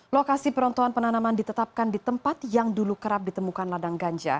lokasi peruntuhan penanaman ditetapkan di tempat yang dulu kerap ditemukan ladang ganja